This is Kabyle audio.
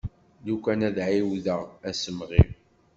Lukan ad d-ɛiwdeɣ asemɣi.